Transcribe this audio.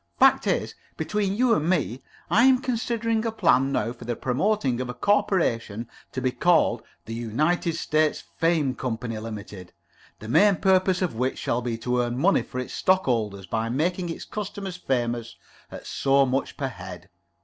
Fact is, between you and me, I am considering a plan now for the promoting of a corporation to be called the United States Fame Company, Limited, the main purpose of which shall be to earn money for its stockholders by making its customers famous at so much per head.